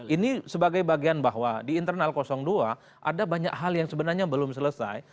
ini sebagai bagian bahwa di internal dua ada banyak hal yang sebenarnya belum selesai